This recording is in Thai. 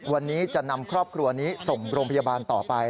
วันนี้จะนำครอบครัวนี้ส่งโรงพยาบาลต่อไป